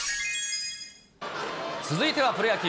続いてはプロ野球。